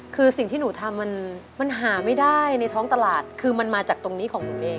คือสิ่งที่หนูทำมันหาไม่ได้ในท้องตลาดคือมันมาจากตรงนี้ของหนูเอง